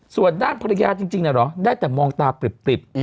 ส่วนด้านภรรยาจริงเหรอได้แต่มองตาปริบ